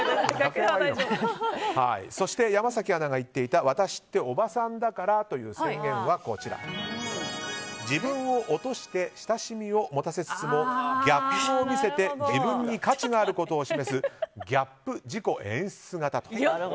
そして山崎アナが言っていた私っておばさんだからっていう宣言は自分を落として親しみを持たせつつもギャップを見せて自分に価値があることを示すギャップ自己演出型と。